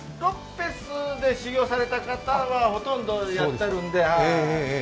修業された方はほとんどやってるんで。